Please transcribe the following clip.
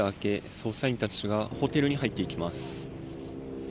捜査員たちがホテルに入っていきます。